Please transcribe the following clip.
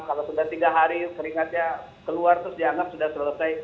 kalau sudah tiga hari keringatnya keluar terus dianggap sudah selesai